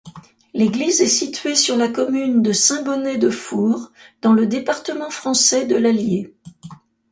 L'église est située sur la commune de Saint-Bonnet-de-Four, dans le département français de l'Allier.